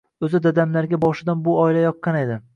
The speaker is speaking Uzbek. Oʻzi dadamlarga boshidan bu oila yoqqan edi.